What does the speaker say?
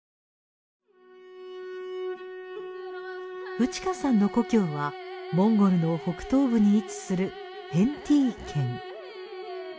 ウチカさんの故郷はモンゴルの北東部に位置するヘンティー県。